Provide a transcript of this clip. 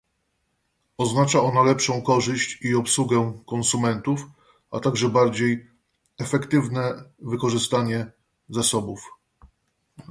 Oznacza ona lepszą korzyść i obsługę konsumentów, a także bardziej efektywne wykorzystanie zasobów